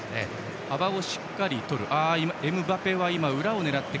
幅をしっかり取る。